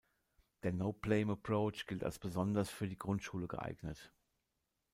Der No-Blame-Approach gilt als besonders für die Grundschule geeignet.